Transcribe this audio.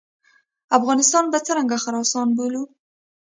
افغانستان به څرنګه خراسان بولو.